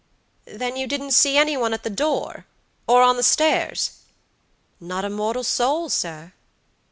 "Then you didn't see any one at the door, or on the stairs?" "Not a mortal soul, sir."